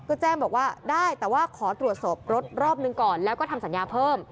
ก็แจ้งบอกว่าได้แต่ว่าขอตรวจสอบรถรอบหนึ่งก่อนแล้วก็ทำสัญญาเพิ่ม